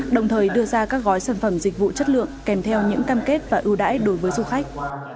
đồng thời đưa ra các gói sản phẩm dịch vụ chất lượng kèm theo những cam kết và ưu đãi đối với du khách